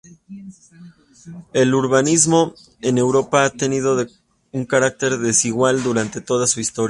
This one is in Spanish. El urbanismo en Europa ha tenido un carácter desigual durante toda su historia.